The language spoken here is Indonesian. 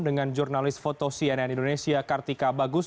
dengan jurnalis foto cnn indonesia kartika bagus